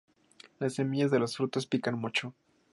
Las semillas de los frutos pican mucho.